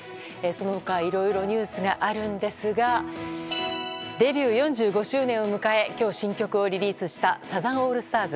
その他、いろいろニュースがあるんですがデビュー４５周年を迎え今日、新曲をリリースしたサザンオールスターズ。